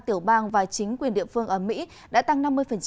tiểu bang và chính quyền địa phương ở mỹ đã tăng năm mươi